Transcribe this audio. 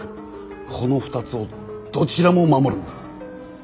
この２つをどちらも守るんだ。